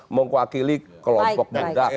mengwakili kelompok muda